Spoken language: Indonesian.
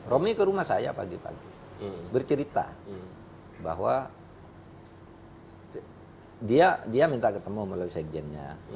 romi ke rumah saya pagi pagi bercerita bahwa dia minta ketemu melalui sekjennya